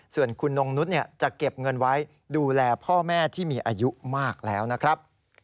ส่วนคุณนงนุษย์จะเก็บเงินไว้ดูแลพ่อแม่ที่มีอายุมากแล้วนะครับ